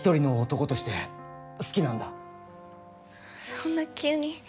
そんな急に。